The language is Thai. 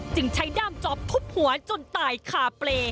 จึงใช้ด้ามจอบทุบหัวจนตายคาเปรย์